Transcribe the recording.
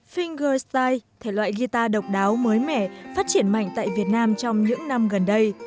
fingerstyle thể loại guitar độc đáo mới mẻ phát triển mạnh tại việt nam trong những năm gần đây